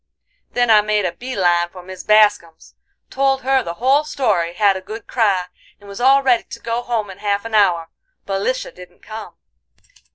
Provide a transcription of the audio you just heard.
"Then I made a bee line for Mis Bascum's; told her the whole story, had a good cry, and was all ready to go home in half an hour, but Lisha didn't come.